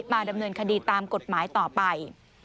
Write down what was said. มาดำเนินคดีตามกฎหมายต่อไป